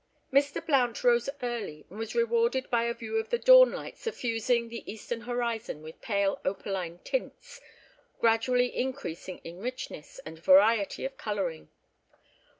Mr. Blount rose early and was rewarded by a view of the dawnlight suffusing the eastern horizon with pale opaline tints, gradually increasing in richness and variety of colouring.